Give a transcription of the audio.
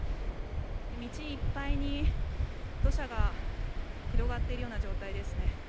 道いっぱいに土砂が広がっているような状態ですね。